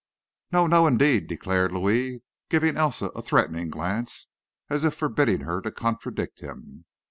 "No, no, indeed!" declared Louis, giving Elsa a threatening glance, as if forbidding her to contradict him.